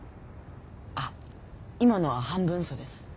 あっ今のは半分うそです。